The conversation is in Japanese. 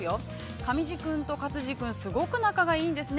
上地君と勝地君、すごく仲がいいんですね。